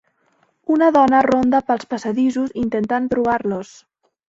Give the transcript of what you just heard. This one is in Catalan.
Una dona ronda pels passadissos intentant trobar-los.